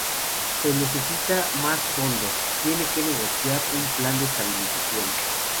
Si necesita más fondos, tiene que negociar un plan de estabilización.